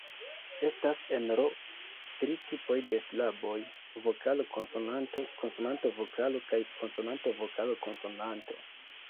Estas en Ro tri tipoj de silaboj: vokalo-konsonanto, konsonanto-vokalo kaj konsonanto-vokalo-konsonanto.